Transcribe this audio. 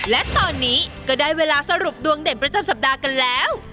และตอนนี้ก็ได้เวลาสรุปดวงเด่นประจำสัปดาห์กันแล้ว